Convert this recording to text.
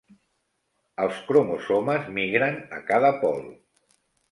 Els cromosomes migren a cada pol.